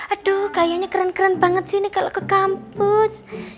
aduh kayaknya keren banget sih nih kalau ke kampus